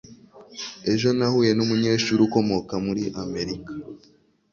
Ejo nahuye numunyeshuri ukomoka muri Amerika.